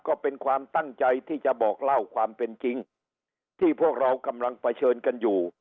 ก็เป็นความตั้งใจที่จะบอกเล่าความเป็นจริงที่พวกเรากำลังเผชิญกันอยู่